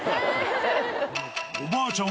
おばあちゃん？